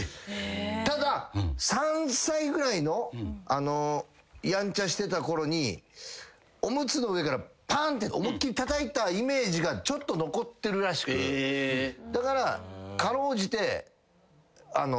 ただ３歳ぐらいのやんちゃしてた頃におむつの上からパンって思いっ切りたたいたイメージがちょっと残ってるらしくだから辛うじて。